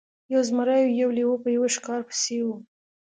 یو زمری او یو لیوه په یوه ښکار پسې وو.